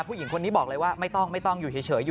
ผู้หญิงคนนี้บอกเลยว่าไม่ต้องไม่ต้องอยู่เฉย